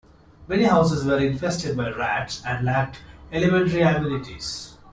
Many houses were infested by rats and lacked elementary amenities.